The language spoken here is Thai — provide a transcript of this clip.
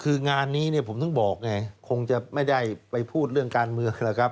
คืองานนี้เนี่ยผมถึงบอกไงคงจะไม่ได้ไปพูดเรื่องการเมืองแล้วครับ